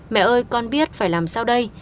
mẹ ơi con biết phải làm sao đây